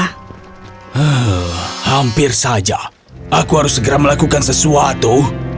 hmm hampir saja aku harus segera melakukan sesuatu